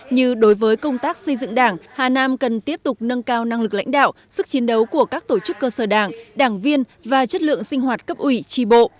như đối với công tác xây dựng đảng hà nam cần tiếp tục nâng cao năng lực lãnh đạo sức chiến đấu của các tổ chức cơ sở đảng đảng viên và chất lượng sinh hoạt cấp ủy tri bộ